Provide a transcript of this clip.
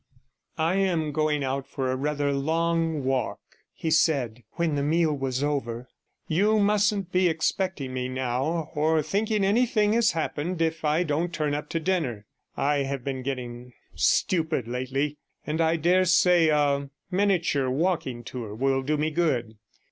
'I am going out for a rather long walk,' he said, when the meal was over. 'You mustn't be expecting me, now, or thinking anything has happened if I don't turn up to dinner. I have been getting stupid lately, and I dare say a miniature walking tour will do me good.